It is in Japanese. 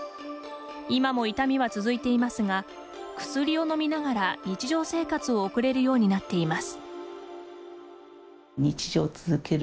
今も痛みは続いていますが薬を飲みながら、日常生活を送れるようになっています。